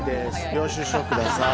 領収書ください